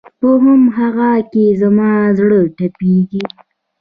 په هم هغه کې زما زړه تپېږي